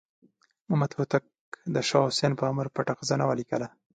محمد هوتک د شاه حسین په امر پټه خزانه ولیکله.